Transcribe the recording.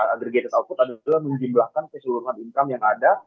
agregated output adalah menjimlahkan keseluruhan income yang ada